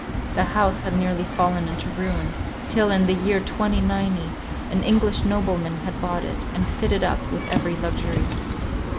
The house had nearly fallen into ruin, till in the year 2090, an English nobleman had bought it, and fitted it up with every luxury.